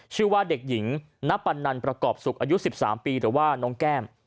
ชื่อว่าเด็กหญิงณปันนันประกอบศุกร์อายุสิบสามปีหรือว่าน้องแก้ม